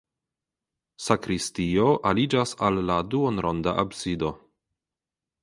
Sakristio aliĝas al la duonronda absido.